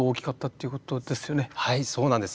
はいそうなんです。